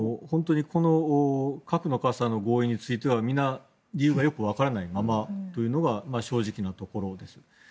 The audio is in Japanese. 本当にこの核の傘の合意についてはみんな理由がよくわからないままというのが正直なところです。